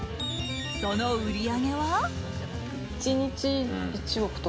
その売り上げは。